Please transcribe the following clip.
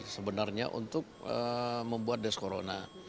sebenarnya untuk membuat deskorona